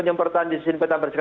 itu memang kestua itu keima k bellek